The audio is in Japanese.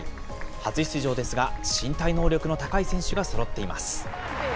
初出場ですが、身体能力の高い選手がそろっています。